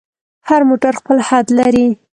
هر موټر خپل حد لري.